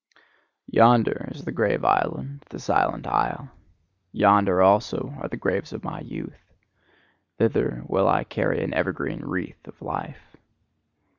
"Yonder is the grave island, the silent isle; yonder also are the graves of my youth. Thither will I carry an evergreen wreath of life."